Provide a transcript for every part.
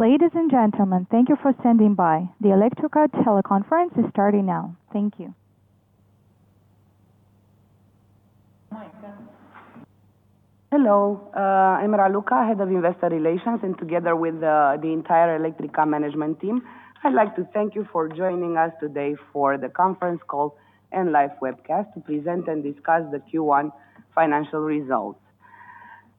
Ladies and gentlemen, thank you for standing by. The Electrica teleconference is starting now. Thank you. Hello, I'm Raluca, Head of Investor Relations, and together with the entire Electrica management team, I'd like to thank you for joining us today for the conference call and live webcast to present and discuss the Q1 financial results.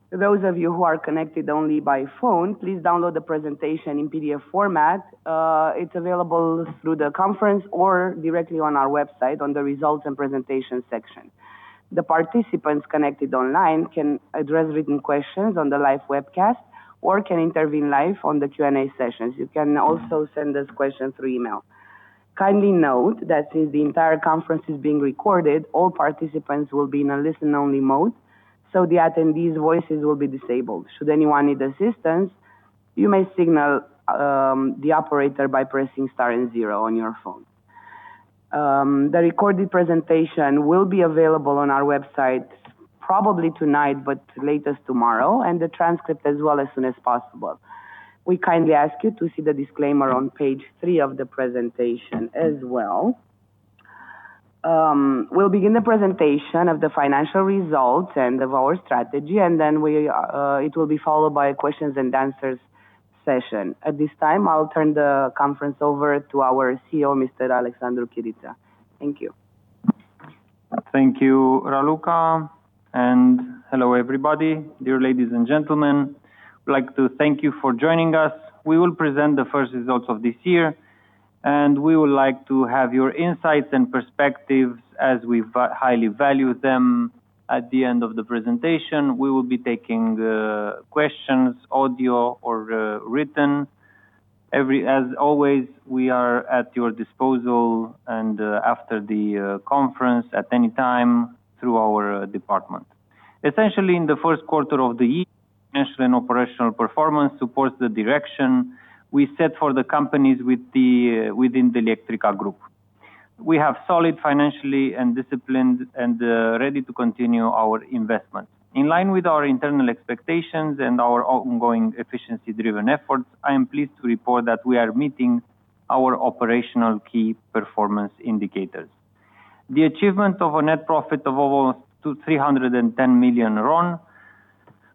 For those of you who are connected only by phone, please download the presentation in PDF format. It's available through the conference or directly on our website on the Results and Presentation section. The participants connected online can address written questions on the live webcast or can intervene live on the Q&A sessions. You can also send us questions through email. Kindly note that since the entire conference is being recorded, all participants will be in a listen-only mode, so the attendees' voices will be disabled. Should anyone need assistance, you may signal the operator by pressing star and zero on your phone. The recorded presentation will be available on our website probably tonight, but latest tomorrow, and the transcript as well, as soon as possible. We kindly ask you to see the disclaimer on page three of the presentation as well. We will begin the presentation of the financial results and of our strategy, and then it will be followed by a questions and answers session. At this time, I will turn the conference over to our CEO, Mr. Alexandru Chiriță. Thank you. Thank you, Raluca. Hello everybody. Dear ladies and gentlemen, we'd like to thank you for joining us. We will present the first results of this year, and we would like to have your insights and perspectives as we highly value them. At the end of the presentation, we will be taking questions, audio or written. As always, we are at your disposal and after the conference at any time through our department. Essentially, in the first quarter of the year, financial and operational performance supports the direction we set for the companies within the Electrica Group. We have solid financially and disciplined and ready to continue our investment. In line with our internal expectations and our ongoing efficiency-driven efforts, I am pleased to report that we are meeting our operational key performance indicators. The achievement of a net profit of over RON 310 million,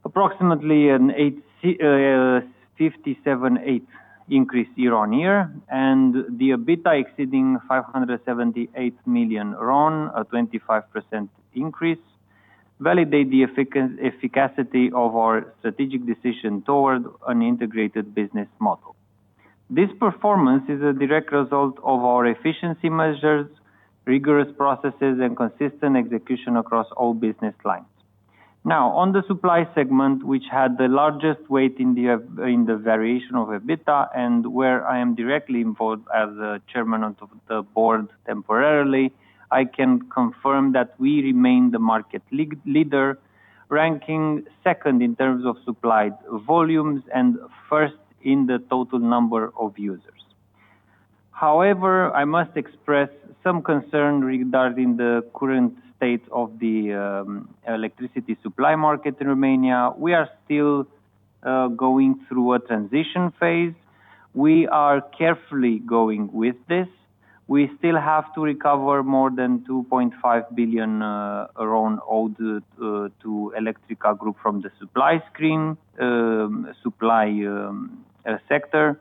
approximately an 57.8% increase year on year, and the EBITDA exceeding RON 578 million, a 25% increase, validate the efficacy of our strategic decision toward an integrated business model. This performance is a direct result of our efficiency measures, rigorous processes, and consistent execution across all business lines. On the supply segment, which had the largest weight in the variation of EBITDA, and where I am directly involved as chairman of the board temporarily, I can confirm that we remain the market leader, ranking second in terms of supplied volumes and first in the total number of users. I must express some concern regarding the current state of the electricity supply market in Romania. We are still going through a transition phase. We are carefully going with this. We still have to recover more than RON 2.5 billion owed to Electrica Group from the supply sector.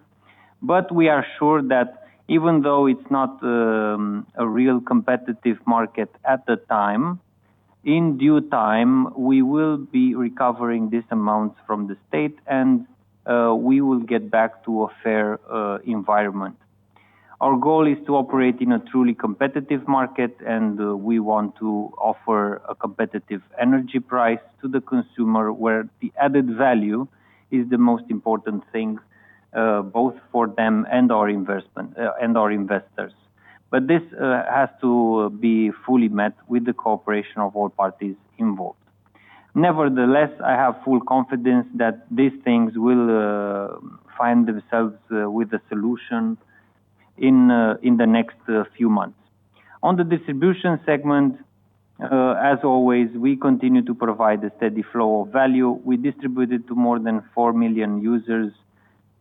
We are sure that even though it's not a real competitive market at the time, in due time, we will be recovering these amounts from the state, and we will get back to a fair environment. Our goal is to operate in a truly competitive market, and we want to offer a competitive energy price to the consumer, where the added value is the most important thing, both for them and our investors. This has to be fully met with the cooperation of all parties involved. I have full confidence that these things will find themselves with a solution in the next few months. On the distribution segment, as always, we continue to provide a steady flow of value. We distributed to more than four million users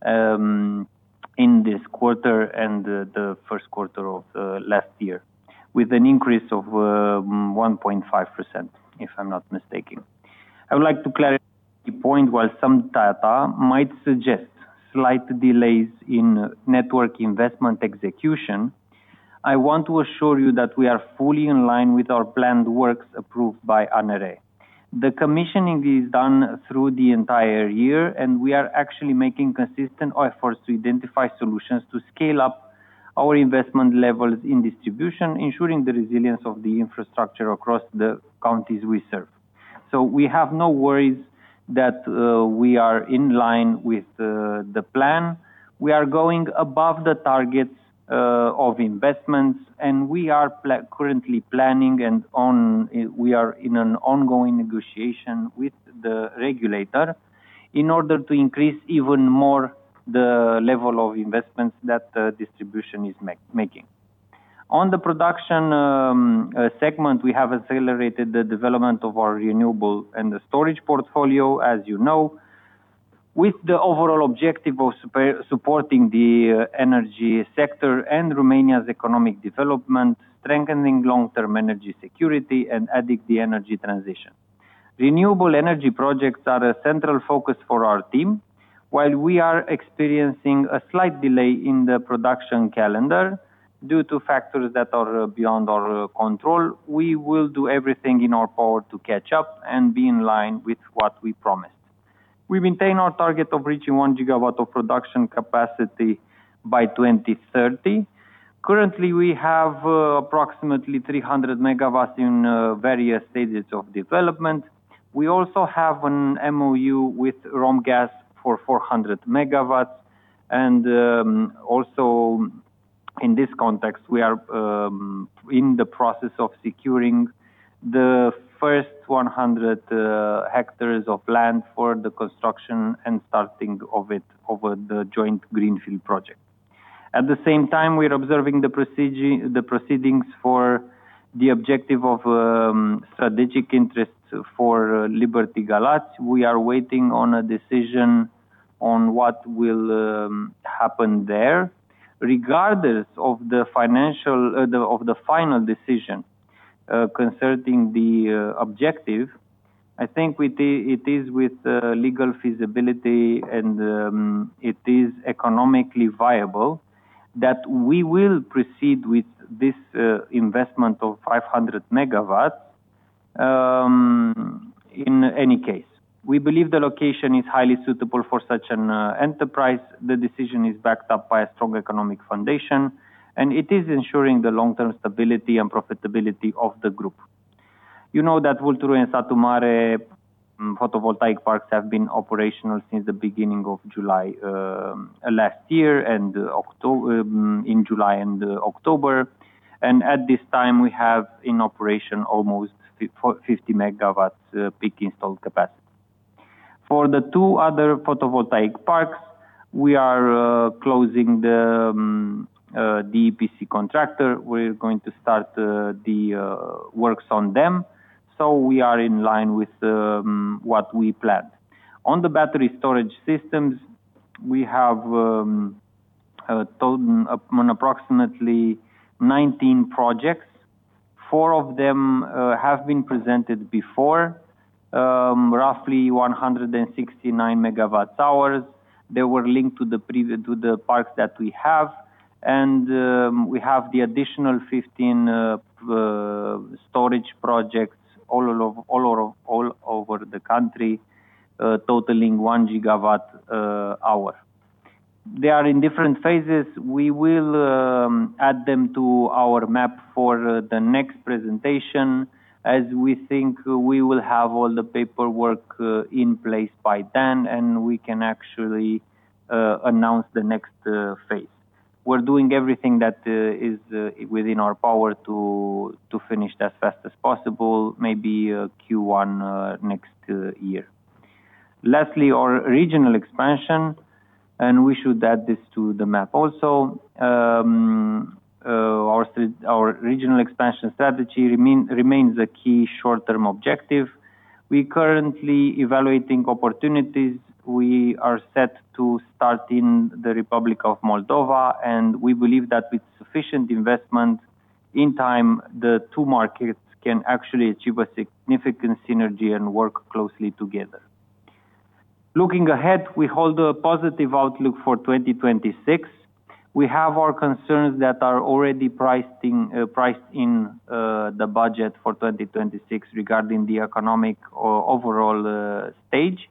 in this quarter and the first quarter of last year, with an increase of 1.5%, if I'm not mistaken. I would like to clarify the point, while some data might suggest slight delays in network investment execution, I want to assure you that we are fully in line with our planned works approved by ANRE. The commissioning is done through the entire year, and we are actually making consistent efforts to identify solutions to scale up our investment levels in distribution, ensuring the resilience of the infrastructure across the counties we serve. We have no worries that we are in line with the plan. We are going above the targets of investments, and we are currently planning and we are in an ongoing negotiation with the regulator in order to increase even more the level of investments that distribution is making. On the production segment, we have accelerated the development of our renewable and storage portfolio, as you know, with the overall objective of supporting the energy sector and Romania's economic development, strengthening long-term energy security, and adding to the energy transition. Renewable energy projects are a central focus for our team. While we are experiencing a slight delay in the production calendar due to factors that are beyond our control, we will do everything in our power to catch up and be in line with what we promised. We maintain our target of reaching 1 GW of production capacity by 2030. Currently, we have approximately 300 MW in various stages of development. We also have an MoU with Romgaz for 400 MW, and also in this context, we are in the process of securing the first 100 hectares of land for the construction and starting of it over the joint greenfield project. At the same time, we are observing the proceedings for the objective of strategic interest for Liberty Galați. We are waiting on a decision on what will happen there. Regardless of the final decision concerning the objective, I think it is with legal feasibility, and it is economically viable that we will proceed with this investment of 500 MW in any case. We believe the location is highly suitable for such an enterprise. The decision is backed up by a strong economic foundation, it is ensuring the long-term stability and profitability of the group. You know that Vulturu and Satu Mare, photovoltaic parks have been operational since the beginning of July last year, in July and October. At this time, we have in operation almost 50 MW peak installed capacity. For the two other photovoltaic parks, we are closing the EPC contractor. We are going to start the works on them. We are in line with what we planned. On the battery storage systems, we have a total of approximately 19 projects. Four of them have been presented before, roughly 169 MWh. They were linked to the parks that we have. We have the additional 15 storage projects all over the country, totaling 1 GWh. They are in different phases. We will add them to our map for the next presentation, as we think we will have all the paperwork in place by then. We can actually announce the next phase. We're doing everything that is within our power to finish it as fast as possible, maybe Q1 2026. Our regional expansion, and we should add this to the map also. Our regional expansion strategy remains a key short-term objective. We're currently evaluating opportunities. We are set to start in the Republic of Moldova, and we believe that with sufficient investment in time, the two markets can actually achieve a significant synergy and work closely together. Looking ahead, we hold a positive outlook for 2026. We have our concerns that are already priced in the budget for 2026 regarding the economic overall stage.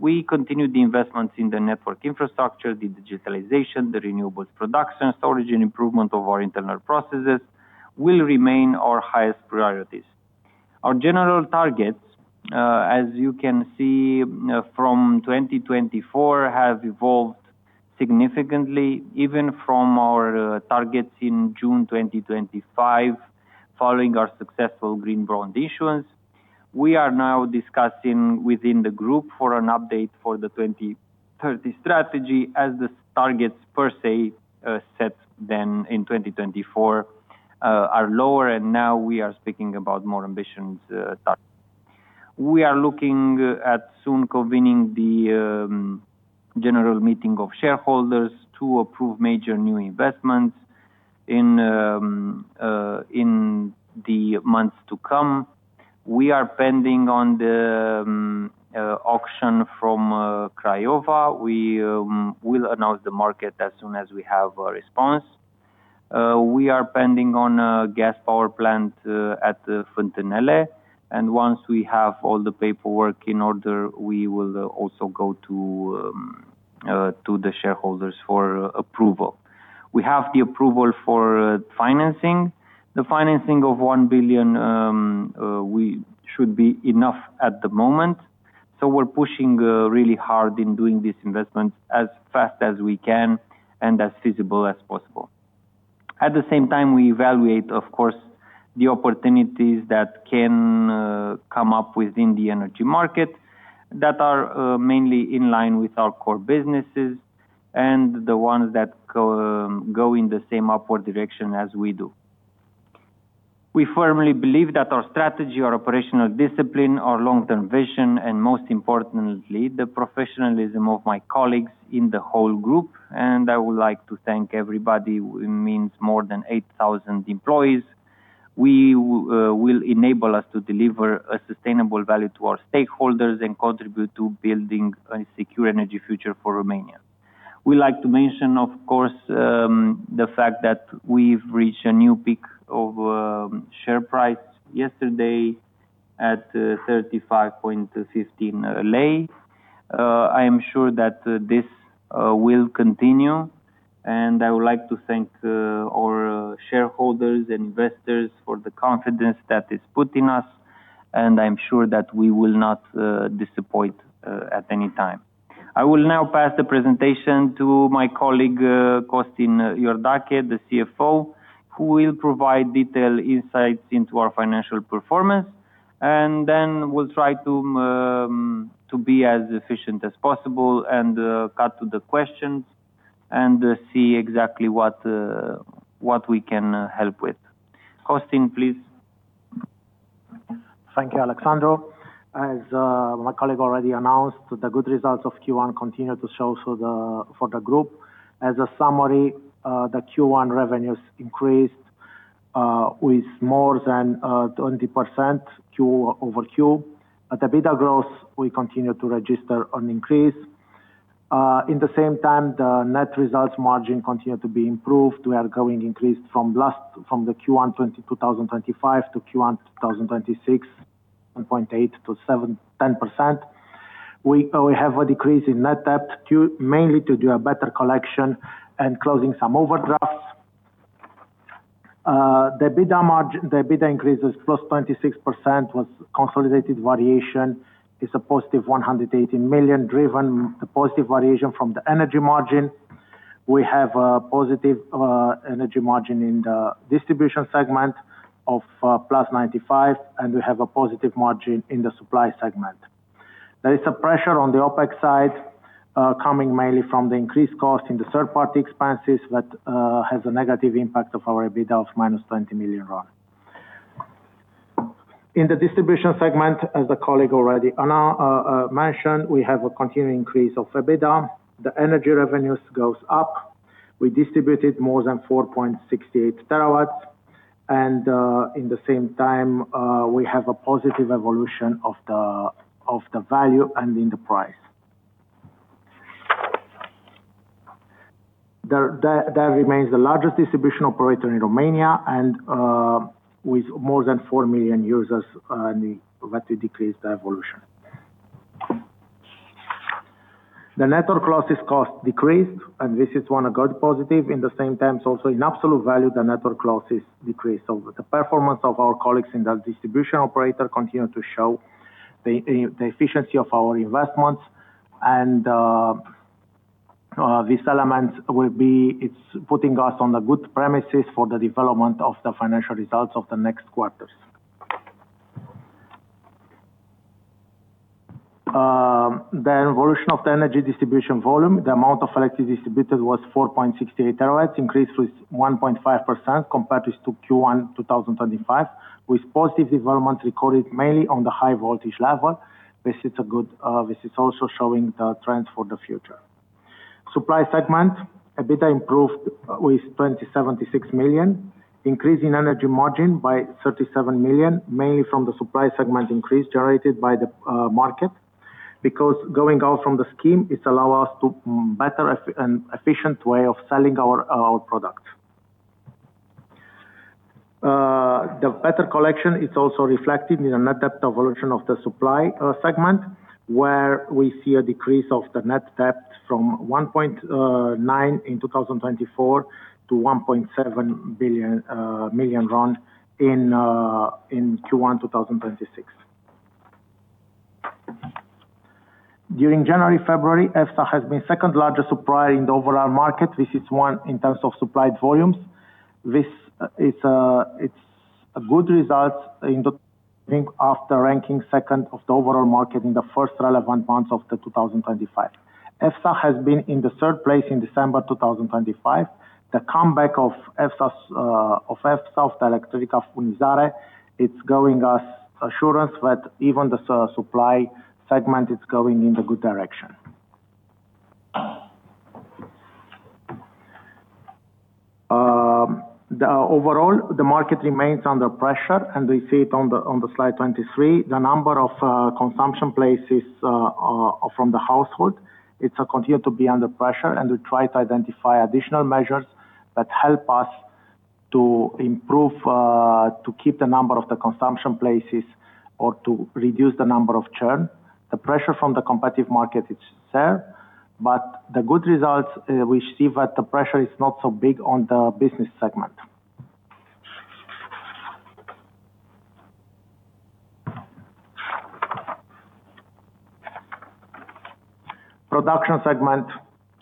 We continue the investments in the network infrastructure, the digitalization, the renewables production, storage, and improvement of our internal processes will remain our highest priorities. Our general targets, as you can see from 2024, have evolved significantly, even from our targets in June 2025, following our successful green bond issuance. We are now discussing within the group for an update for the 2030 strategy, as the targets per se set then in 2024 are lower, and now we are speaking about more ambitious targets. We are looking at soon convening the general meeting of shareholders to approve major new investments in the months to come. We are pending on the auction from Craiova. We will announce the market as soon as we have a response. We are pending on a gas power plant at Fântânele, and once we have all the paperwork in order, we will also go to the shareholders for approval. We have the approval for financing. The financing of RON 1 billion should be enough at the moment. We're pushing really hard in doing these investments as fast as we can and as feasible as possible. At the same time, we evaluate, of course the opportunities that can come up within the energy market, that are mainly in line with our core businesses and the ones that go in the same upward direction as we do. We firmly believe that our strategy, our operational discipline, our long-term vision, and most importantly, the professionalism of my colleagues in the whole Electrica Group, and I would like to thank everybody, it means more than 8,000 employees, will enable us to deliver a sustainable value to our stakeholders and contribute to building a secure energy future for Romania. We like to mention, of course, the fact that we've reached a new peak of share price yesterday at RON 35.15. I am sure that this will continue, and I would like to thank our shareholders and investors for the confidence that is put in us, and I'm sure that we will not disappoint at any time. I will now pass the presentation to my colleague, Costin Iordache, the CFO, who will provide detailed insights into our financial performance, and then we'll try to be as efficient as possible and cut to the questions and see exactly what we can help with. Costin, please. Thank you, Alexandru. As my colleague already announced, the good results of Q1 continue to show for the Group. As a summary, the Q1 revenues increased with more than 20% quarter-over-quarter. At the EBITDA growth, we continue to register an increase. In the same time, the net results margin continue to be improved. We are going increased from the Q1 2025 to Q1 2026, 1.8 to 7% to 10%. We have a decrease in net debt, mainly to do a better collection and closing some overdrafts. The EBITDA increases +26% was consolidated variation is a positive RON 118 million, driven the positive variation from the energy margin. We have a positive energy margin in the distribution segment of plus RON 95 million, and we have a positive margin in the supply segment. There is a pressure on the OpEx side, coming mainly from the increased cost in the third-party expenses that has a negative impact of our EBITDA of minus RON 20 million. In the distribution segment, as a colleague already mentioned, we have a continuing increase of EBITDA. The energy revenues goes up. We distributed more than 4.68 TW, in the same time, we have a positive evolution of the value and in the price. That remains the largest distribution operator in Romania and with more than four million users, we greatly decreased the evolution. The network losses cost decreased, this is one a good positive. In the same time, also in absolute value, the network losses decreased. The performance of our colleagues in the distribution operator continue to show the efficiency of our investments, and this element, it's putting us on a good premises for the development of the financial results of the next quarters. The evolution of the energy distribution volume, the amount of electricity distributed was 4.68 TW, increased with 1.5% compared to Q1 2025, with positive development recorded mainly on the high voltage level. This is also showing the trends for the future. Supply segment, EBITDA improved with RON 2,076 million, increase in energy margin by RON 37 million, mainly from the supply segment increase generated by the market. Going out from the scheme, it allow us to better and efficient way of selling our product. The better collection is also reflected in a net debt evolution of the supply segment, where we see a decrease of the net debt from RON 1.9 million in 2024 to RON 1.7 million in Q1 2026. During January, February, EFSA has been second largest supplier in the overall market. This is one in terms of supplied volumes. It's a good result after ranking second of the overall market in the first relevant months of the 2025. EFSA has been in the third place in December 2025. The comeback of EFSA with the Electrica Furnizare, it's giving us assurance that even the supply segment is going in the good direction. Overall, the market remains under pressure, and we see it on slide 23. The number of consumption places from the household, it continue to be under pressure. We try to identify additional measures that help us to improve, to keep the number of the consumption places or to reduce the number of churn. The pressure from the competitive market is there, the good results, we see that the pressure is not so big on the business segment. Production segment.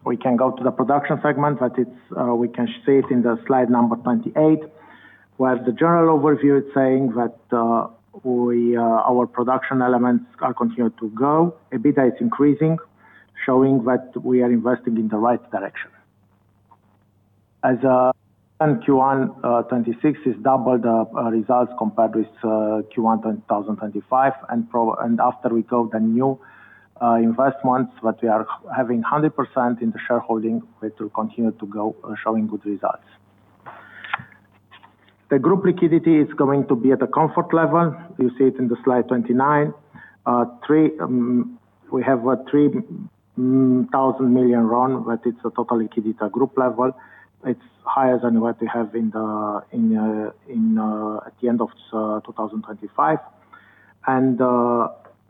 We can go to the production segment, we can see it in the slide number 28, where the general overview is saying that our production elements are continuing to go. EBITDA is increasing, showing that we are investing in the right direction. As in Q1 2026 is double the results compared with Q1 2025. After we took the new investments that we are having 100% in the shareholding, we will continue to go showing good results. The group liquidity is going to be at a comfort level. You see it in the slide 29. We have RON 3,000 million, but it's a total liquidity group level. It's higher than what we have at the end of 2025.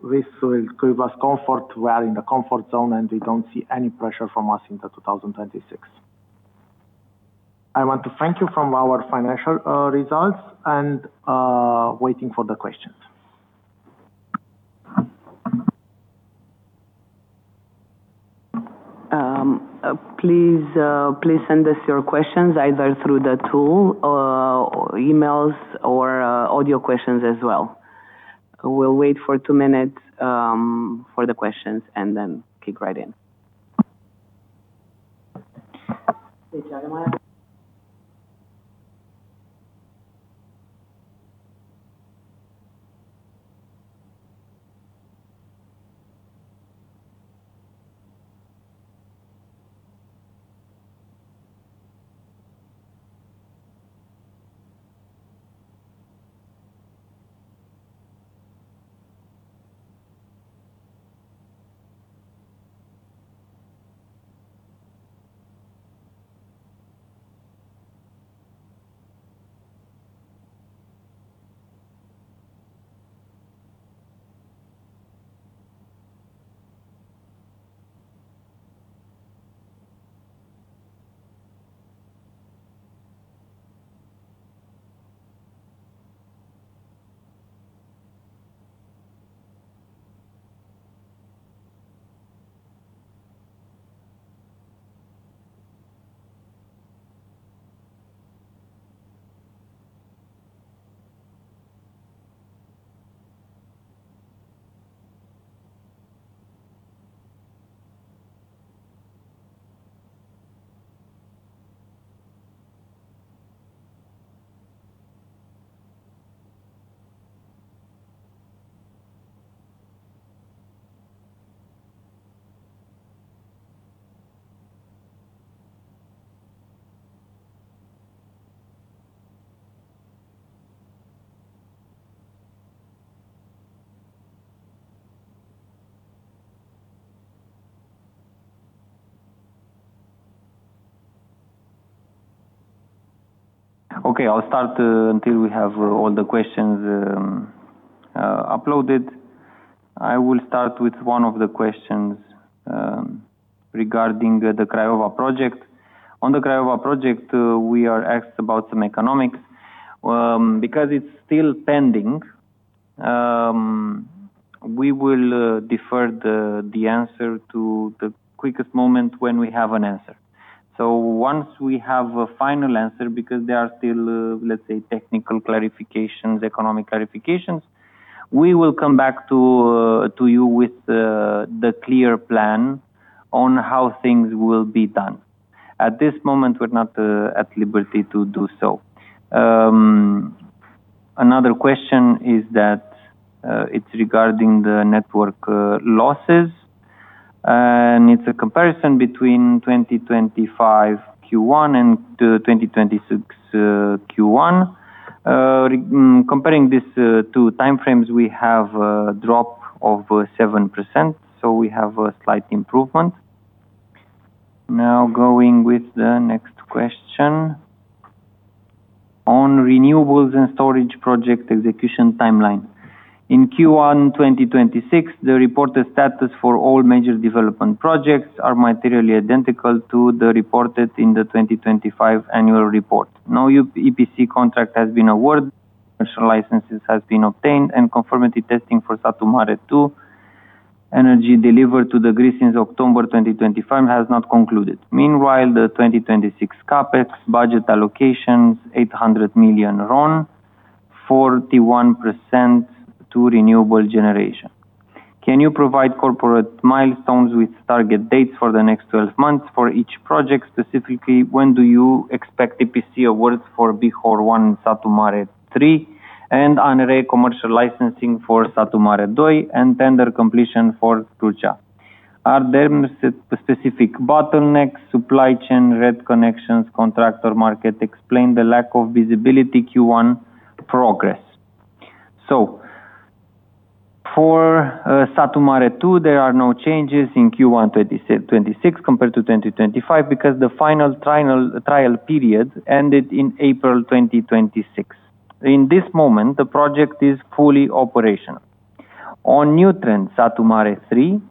This will give us comfort. We are in the comfort zone, and we don't see any pressure from us into 2026. I want to thank you from our financial results and waiting for the questions. Please send us your questions either through the tool, or emails, or audio questions as well. We'll wait for two minutes for the questions and then kick right in. Okay. I'll start until we have all the questions uploaded. I will start with one of the questions regarding the Craiova project. On the Craiova project, we are asked about some economics. Because it's still pending, we will defer the answer to the quickest moment when we have an answer. Once we have a final answer, because there are still, let's say, technical clarifications, economic clarifications, we will come back to you with the clear plan on how things will be done. At this moment, we're not at liberty to do so. Another question is that it's regarding the network losses, and it's a comparison between 2025 Q1 and 2026 Q1. Comparing these two time frames, we have a drop of 7%, so we have a slight improvement. Now going with the next question on renewables and storage project execution timeline. In Q1 2026, the reported status for all major development projects are materially identical to the reported in the 2025 annual report. No EPC contract has been awarded, commercial licenses has been obtained, and conformity testing for Satu Mare 2 energy delivered to the grid since October 2025 has not concluded. Meanwhile, the 2026 CapEx budget allocations RON 800 million, 41% to renewable generation. Can you provide corporate milestones with target dates for the next 12 months for each project? Specifically, when do you expect EPC awards for Bihor 1, Satu Mare 3, and ANRE commercial licensing for Satu Mare 2, and tender completion for Turda? Are there specific bottlenecks, supply chain, grid connections, contractor market? Explain the lack of visibility Q1 progress. For Satu Mare 2, there are no changes in Q1 2026 compared to 2025 because the final trial period ended in April 2026. In this moment, the project is fully operational. On New Trend, Satu Mare 3,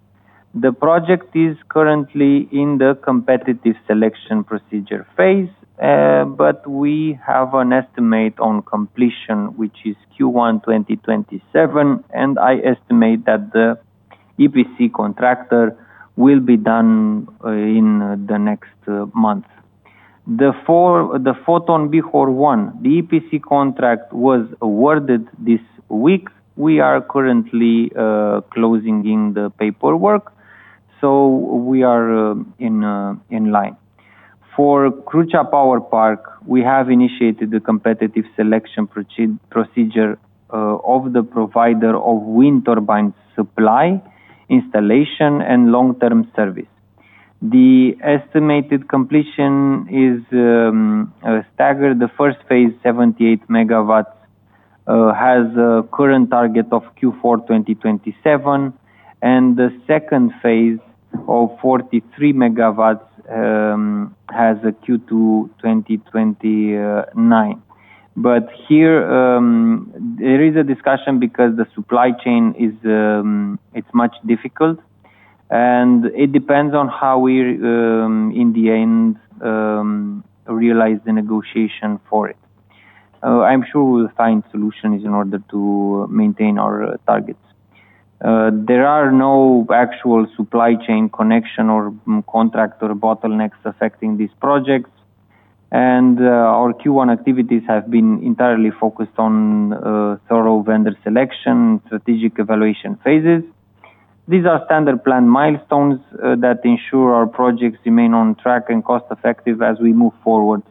the project is currently in the competitive selection procedure phase, but we have an estimate on completion, which is Q1 2027, and I estimate that the EPC contractor will be done in the next month. The Fotovoltaic Bihor 1, the EPC contract was awarded this week. We are currently closing in the paperwork, so we are in line. For Crucea Power Park, we have initiated the competitive selection procedure of the provider of wind turbine supply, installation, and long-term service. The estimated completion is staggered. The first phase, 78 MW, has a current target of Q4 2027, and the second phase of 43 MW has a Q2 2029. Here, there is a discussion because the supply chain is much difficult, and it depends on how we, in the end, realize the negotiation for it. I'm sure we'll find solutions in order to maintain our targets. There are no actual supply chain connection or contract or bottlenecks affecting these projects. Our Q1 activities have been entirely focused on thorough vendor selection, strategic evaluation phases. These are standard plan milestones that ensure our projects remain on track and cost-effective as we move forward.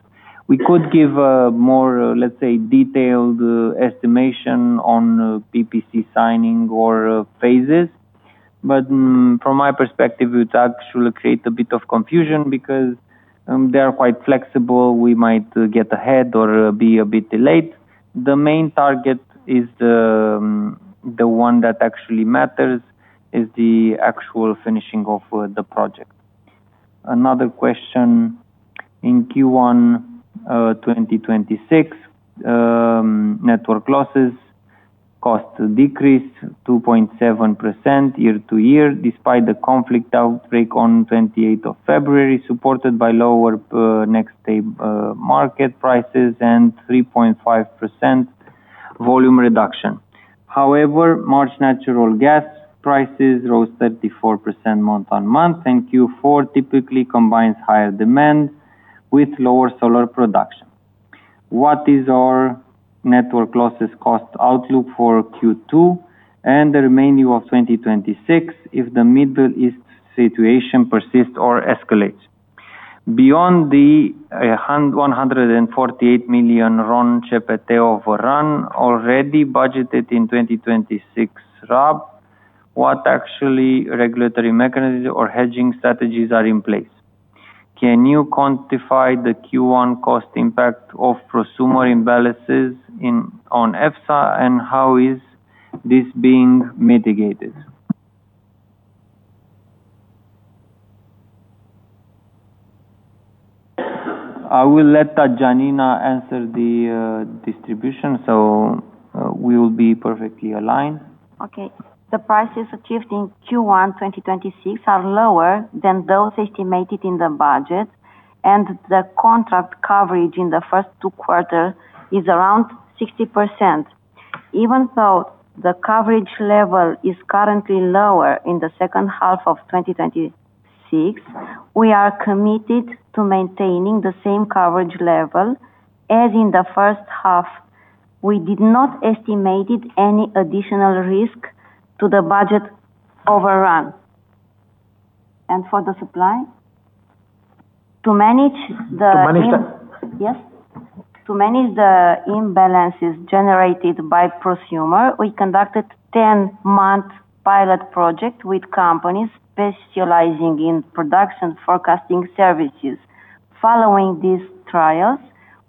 We could give a more, let's say, detailed estimation on EPC signing or phases. From my perspective, it actually create a bit of confusion because they're quite flexible. We might get ahead or be a bit delayed. The main target is the one that actually matters, is the actual finishing of the project. Another question. In Q1 2026, network losses costs decreased 2.7% year-to-year, despite the conflict outbreak of February 28th, supported by lower day-ahead market prices and 3.5% volume reduction. March natural gas prices rose 34% month-on-month, and Q4 typically combines higher demand with lower solar production. What is our network losses cost outlook for Q2 and the remaining of 2026 if the Middle East situation persists or escalates? Beyond the RON 148 million CPT overrun already budgeted in 2026 RAB, what actually regulatory mechanisms or hedging strategies are in place? Can you quantify the Q1 cost impact of prosumer imbalances on EFSA, and how is this being mitigated? I will let Janina answer the distribution, so we'll be perfectly aligned. Okay. The prices achieved in Q1 2026 are lower than those estimated in the budget, and the contract coverage in the first two quarter is around 60%. Even though the coverage level is currently lower in the second half of 2026, we are committed to maintaining the same coverage level as in the first half. We did not estimated any additional risk to the budget overrun. For the supply? To manage the- Yes. To manage the imbalances generated by prosumer, we conducted 10-month pilot project with companies specializing in production forecasting services. Following these trials,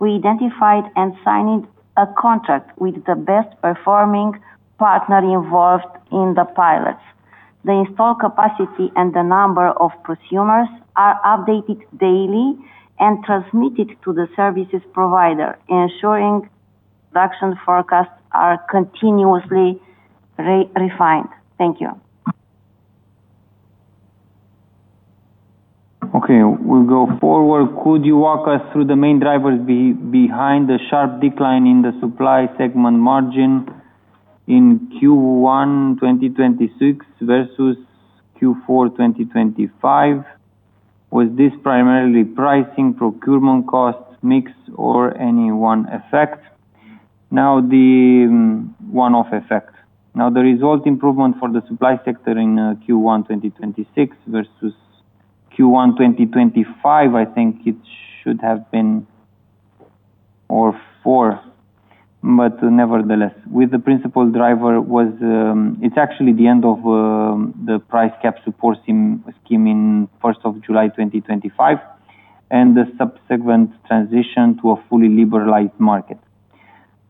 we identified and signed a contract with the best performing partner involved in the pilots. The install capacity and the number of prosumers are updated daily and transmitted to the services provider, ensuring production forecasts are continuously refined. Thank you. Okay. We'll go forward. Could you walk us through the main drivers behind the sharp decline in the supply segment margin in Q1 2026 versus Q4 2025? Was this primarily pricing, procurement costs, mix, or any one effect? The result improvement for the supply sector in Q1 2026 versus Q1 2025, I think it should have been Q4. Nevertheless, with the principal driver was, it's actually the end of the price cap support scheme of July 1st, 2025 and the subsequent transition to a fully liberalized market.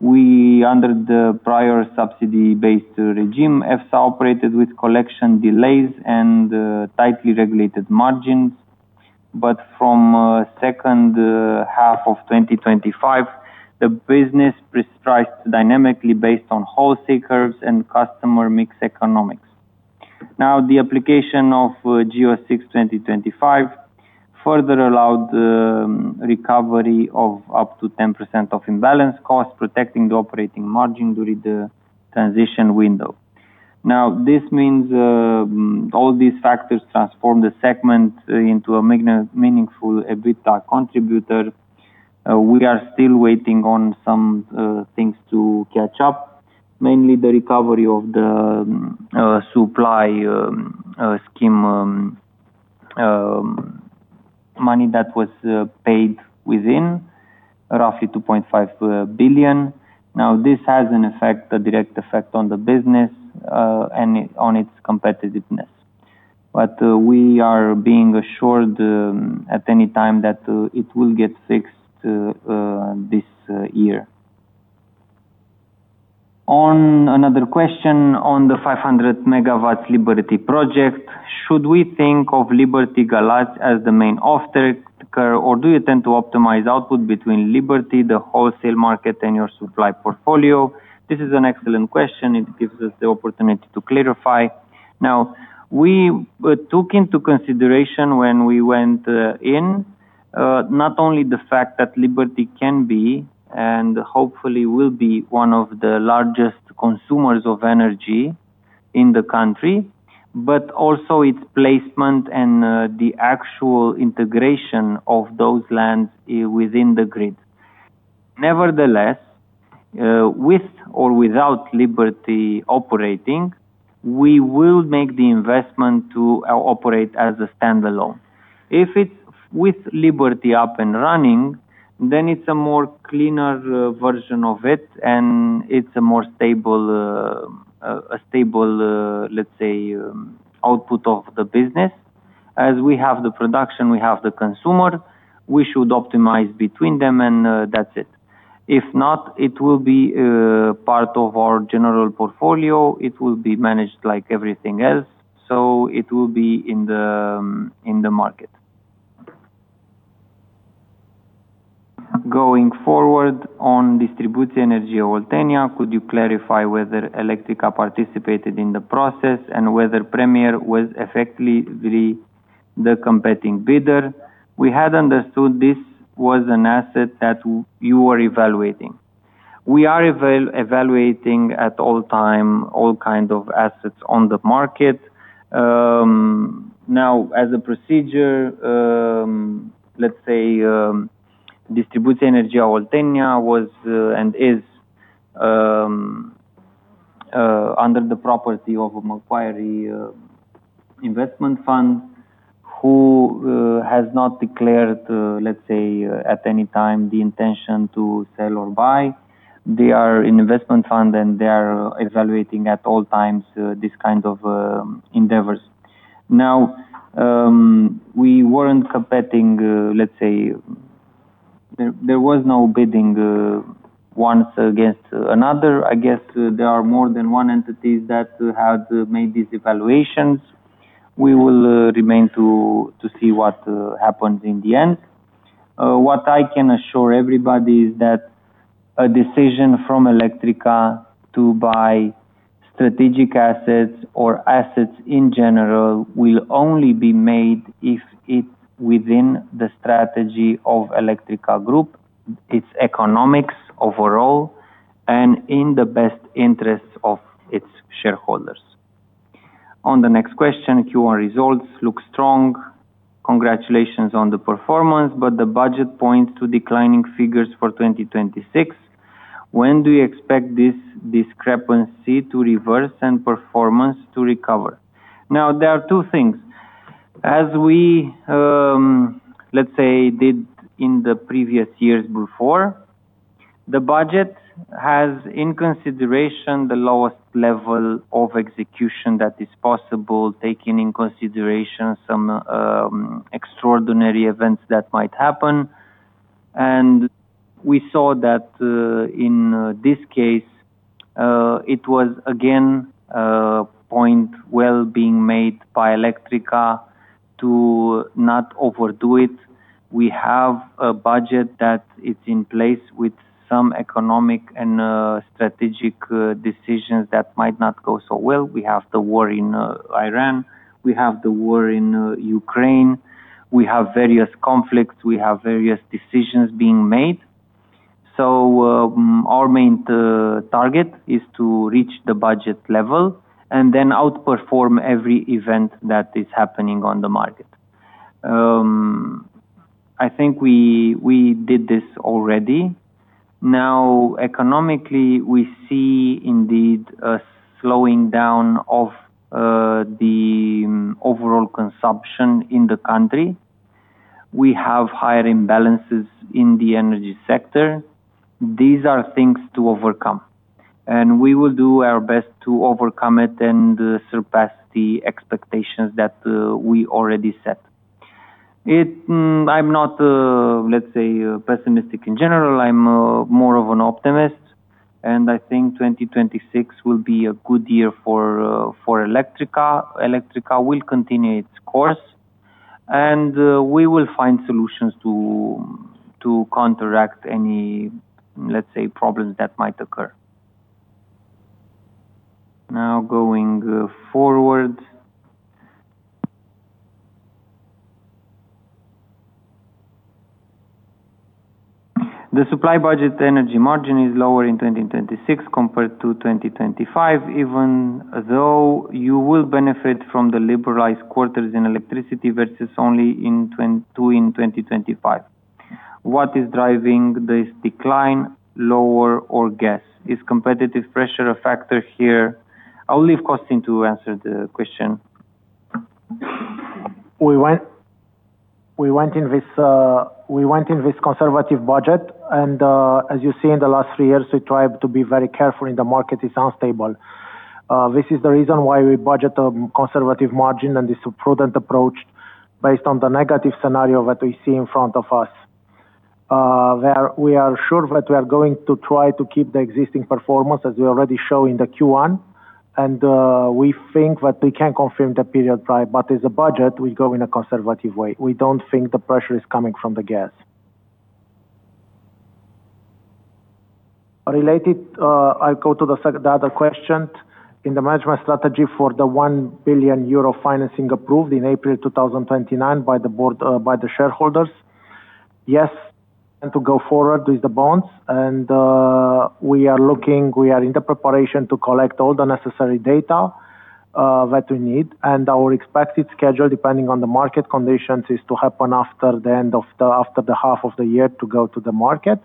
Under the prior subsidy-based regime, EFSA operated with collection delays and tightly regulated margins. From second half of 2025, the business priced dynamically based on wholesale curves and customer mix economics. The application of GEO 6/2025 further allowed recovery of up to 10% of imbalance cost, protecting the operating margin during the transition window. This means all these factors transform the segment into a meaningful EBITDA contributor. We are still waiting on some things to catch up, mainly the recovery of the supply scheme money that was paid within roughly RON 2.5 billion. This has an effect, a direct effect on the business and on its competitiveness. We are being assured at any time that it will get fixed this year. On another question on the 500 MW Liberty Galați project, should we think of Liberty Galați as the main offtaker, or do you tend to optimize output between Liberty, the wholesale market, and your supply portfolio? This is an excellent question. It gives us the opportunity to clarify. We took into consideration when we went in, not only the fact that Liberty can be and hopefully will be one of the largest consumers of energy in the country, but also its placement and the actual integration of those lands within the grid. With or without Liberty operating, we will make the investment to operate as a standalone. If it's with Liberty up and running, it's a more cleaner version of it and it's a more stable, let's say, output of the business. As we have the production, we have the consumer, we should optimize between them and that's it. If not, it will be part of our general portfolio. It will be managed like everything else. It will be in the market. Going forward on Distribuție Energie Oltenia, could you clarify whether Electrica participated in the process and whether Premier was effectively the competing bidder? We had understood this was an asset that you were evaluating. We are evaluating at all time, all kind of assets on the market. As a procedure, let's say, Distribuție Energie Oltenia was and is under the property of Macquarie Investment Fund who has not declared, let's say, at any time the intention to sell or buy. They are investment fund. They are evaluating at all times these kinds of endeavors. We weren't competing, let's say, there was no bidding one against another. I guess there are more than one entities that had made these evaluations. We will remain to see what happens in the end. What I can assure everybody is that a decision from Electrica to buy strategic assets or assets in general, will only be made if it's within the strategy of Electrica Group, its economics overall, and in the best interests of its shareholders. On the next question, Q1 results look strong. Congratulations on the performance, the budget points to declining figures for 2026. When do you expect this discrepancy to reverse and performance to recover? Now, there are two things. As we, let's say, did in the previous years before, the budget has in consideration the lowest level of execution that is possible, taking in consideration some extraordinary events that might happen. We saw that, in this case, it was again, a point well being made by Electrica to not overdo it. We have a budget that is in place with some economic and strategic decisions that might not go so well. We have the war in Iran. We have the war in Ukraine. We have various conflicts. We have various decisions being made. Our main target is to reach the budget level and then outperform every event that is happening on the market. I think we did this already. Economically, we see indeed a slowing down of the overall consumption in the country. We have higher imbalances in the energy sector. These are things to overcome, and we will do our best to overcome it and surpass the expectations that we already set. I'm not, let's say, pessimistic in general. I'm more of an optimist, and I think 2026 will be a good year for Electrica. Electrica will continue its course, and we will find solutions to counteract any, let's say, problems that might occur. Now, going forward. The supply budget energy margin is lower in 2026 compared to 2025, even though you will benefit from the liberalized quarters in electricity versus only in 2025. What is driving this decline lower or gas? Is competitive pressure a factor here? I'll leave Costin to answer the question. We went in with conservative budget, and as you see in the last three years, we tried to be very careful in the market is unstable. This is the reason why we budget a conservative margin, and it's a prudent approach based on the negative scenario that we see in front of us. We are sure that we are going to try to keep the existing performance as we already show in the Q1, and we think that we can confirm the period try, but as a budget, we go in a conservative way. We don't think the pressure is coming from the gas. Related, I'll go to the other question. In the management strategy for the 1 billion euro financing approved in April 2029 by the shareholders. Yes, to go forward with the bonds, and we are in the preparation to collect all the necessary data that we need, and our expected schedule, depending on the market conditions, is to happen after the half of the year to go to the market.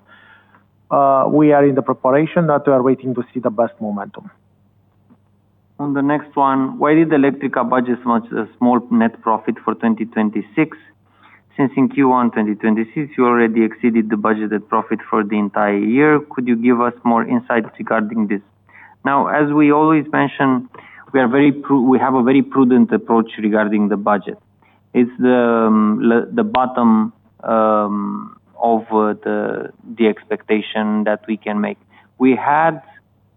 We are in the preparation that we are waiting to see the best momentum. On the next one, why did Electrica budget such a small net profit for 2026? Since in Q1 2026, you already exceeded the budgeted profit for the entire year. Could you give us more insights regarding this? Now, as we always mention, we have a very prudent approach regarding the budget. It's the bottom of the expectation that we can make. We had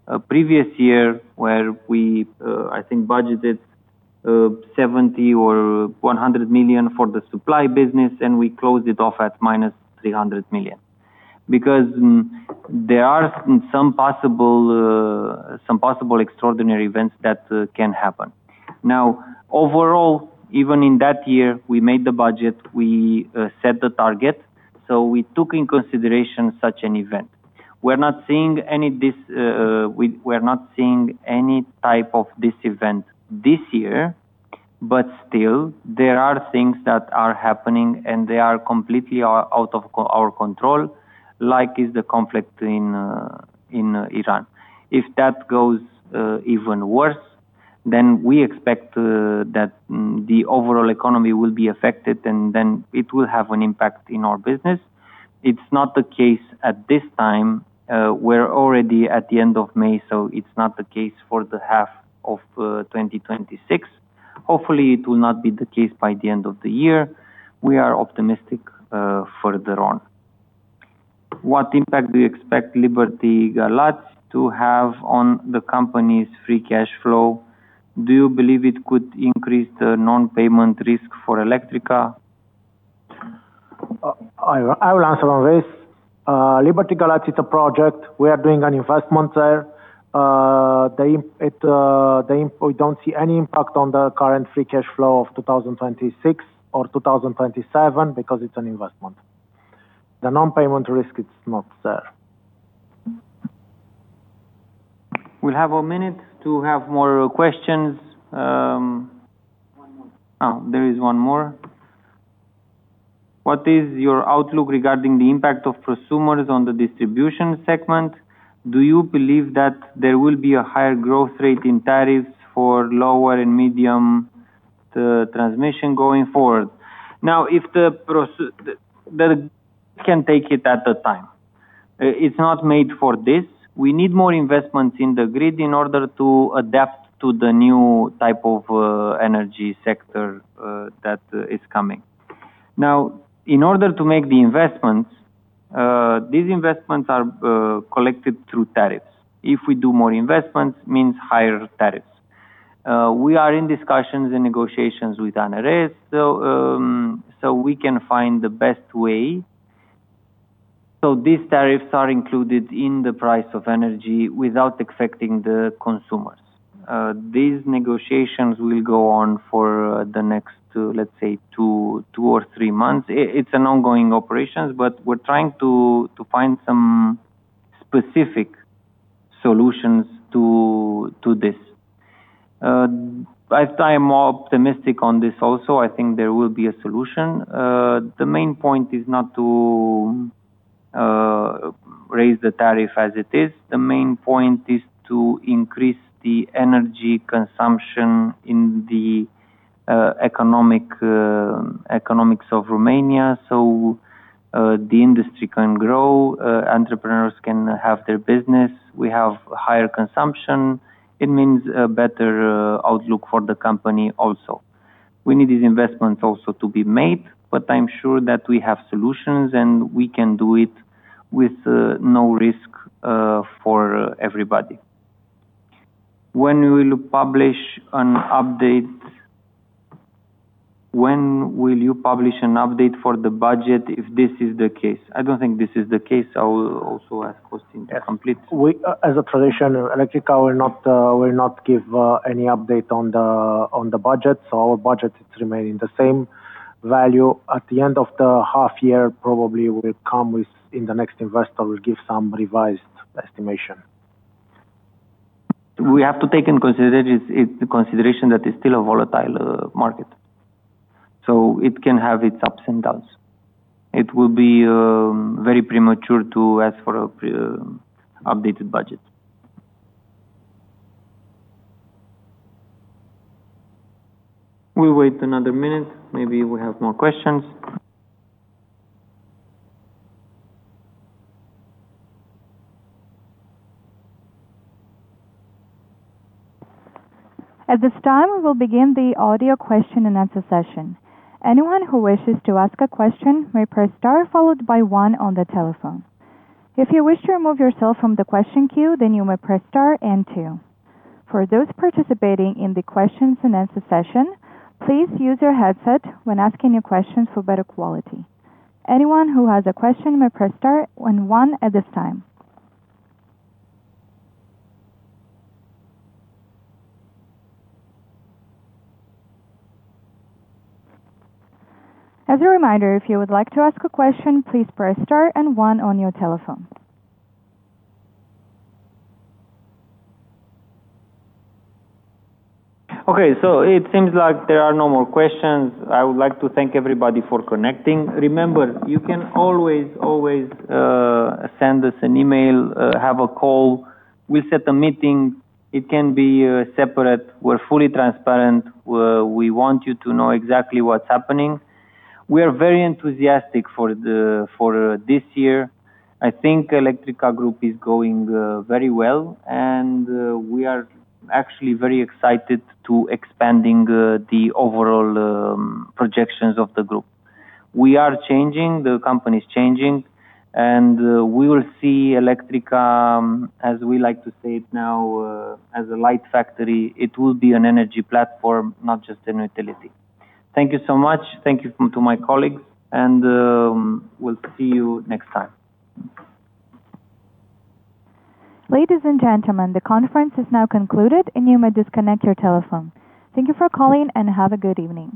a previous year where we, I think, budgeted RON 70 million or RON 100 million for the supply business, and we closed it off at minus RON 300 million. Because there are some possible extraordinary events that can happen. Now, overall, even in that year, we made the budget, we set the target, so we took in consideration such an event. We're not seeing any type of this event this year. There are things that are happening, and they are completely out of our control, like is the conflict in Iran. If that goes even worse, we expect that the overall economy will be affected. It will have an impact in our business. It's not the case at this time. We're already at the end of May. It's not the case for the half of 2026. Hopefully, it will not be the case by the end of the year. We are optimistic further on. What impact do you expect Liberty Galați to have on the company's free cash flow? Do you believe it could increase the non-payment risk for Electrica? I will answer on this. Liberty Galați is a project. We are doing an investment there. We don't see any impact on the current free cash flow of 2026 or 2027 because it's an investment. The non-payment risk is not there. We have a minute to have more questions. One more. There is one more. What is your outlook regarding the impact of prosumers on the distribution segment? Do you believe that there will be a higher growth rate in tariffs for lower and medium transmission going forward? The grid can take it at a time. It's not made for this. We need more investments in the grid in order to adapt to the new type of energy sector that is coming. In order to make the investments, these investments are collected through tariffs. If we do more investments, means higher tariffs. We are in discussions and negotiations with ANRE, we can find the best way. These tariffs are included in the price of energy without affecting the consumers. These negotiations will go on for the next, let's say, two or three months. It's an ongoing operation, we're trying to find some specific solutions to this. I'm more optimistic on this also. I think there will be a solution. The main point is not to raise the tariff as it is. The main point is to increase the energy consumption in the economics of Romania so the industry can grow, entrepreneurs can have their business. We have higher consumption. It means a better outlook for the company also. We need these investments also to be made, but I'm sure that we have solutions, and we can do it with no risk for everybody. When will you publish an update for the budget, if this is the case? I don't think this is the case. As a tradition, Electrica will not give any update on the budget. Our budget is remaining the same value. At the end of the half year, probably in the next investor, we'll give some revised estimation. We have to take into consideration that it's still a volatile market, so it can have its ups and downs. It will be very premature to ask for an updated budget. We'll wait another minute. Maybe we have more questions. At this time, we will begin the audio question and answer session. Anyone who wishes to ask a question may press star followed by one on the telephone. If you wish to remove yourself from the question queue, then you may press star and two. For those participating in the questions and answer session, please use your headset when asking your questions for better quality. Anyone who has a question may press star and one at this time. As a reminder, if you would like to ask a question, please press star and one on your telephone. Okay, it seems like there are no more questions. I would like to thank everybody for connecting. Remember, you can always send us an email, have a call. We will set a meeting. It can be separate. We are fully transparent. We want you to know exactly what is happening. We are very enthusiastic for this year. I think Electrica Group is going very well, and we are actually very excited to expanding the overall projections of the group. We are changing, the company is changing, and we will see Electrica, as we like to say it now, as a light factory. It will be an energy platform, not just a utility. Thank you so much. Thank you to my colleagues, and we will see you next time. Ladies and gentlemen, the conference is now concluded, and you may disconnect your telephone. Thank you for calling, and have a good evening.